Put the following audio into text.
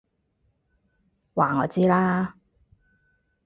話我知啦！